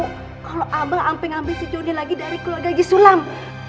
kalo amel ngambil si jonny lagi dari keluarga gisulam